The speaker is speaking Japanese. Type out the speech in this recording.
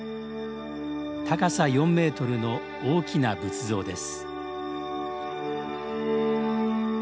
高さ４メートルの大きな仏像です